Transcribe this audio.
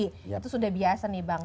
itu sudah biasa nih bang